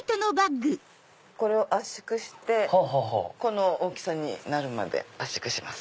これを圧縮してこの大きさになるまで圧縮します。